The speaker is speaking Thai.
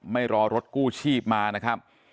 ไม่รอรถกู้ชีพมานะครับ